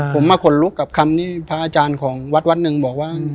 ผมมาขนลุกกับคำที่พระอาจารย์ของวัดวัดหนึ่งบอกว่า